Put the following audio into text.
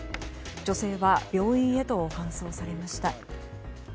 女性は病院へと搬送されました。